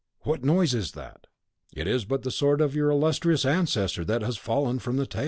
What noise is that?" "It is but the sword of your illustrious ancestor that has fallen from the table."